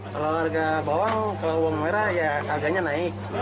kalau harga bawang kalau bawang merah ya harganya naik